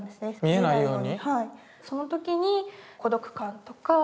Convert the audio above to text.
見えないように。